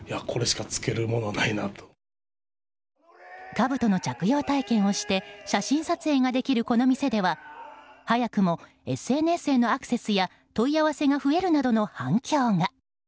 かぶとの着用体験をして写真撮影ができるこの店では早くもＳＮＳへのアクセスや問い合わせが増えるなどの反響が。